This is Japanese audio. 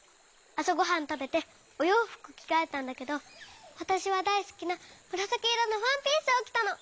あさごはんたべておようふくきがえたんだけどわたしはだいすきなむらさきいろのワンピースをきたの。